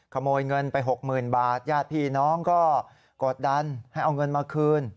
ขโมยเงินไป๖๐๐๐บาทญาติพี่น้องก็กดดันให้เอาเงินมาคืน